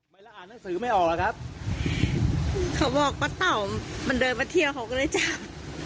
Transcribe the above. เวลาอ่านหนังสือไม่ออกหรอกครับเขาบอกป้าเต่ามันเดินมาเที่ยวเขาก็เลยจ้าง